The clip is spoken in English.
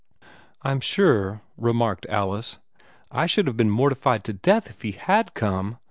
"I'm sure," remarked Alice, "I should have been mortified to death if he had come.